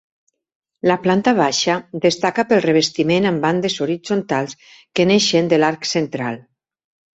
La planta baixa destaca pel revestiment amb bandes horitzontals que neixen de l'arc central.